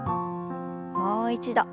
もう一度。